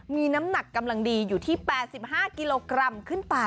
มีน้ำหนักกำลังดีอยู่ที่๘๕กิโลกรัมขึ้นไป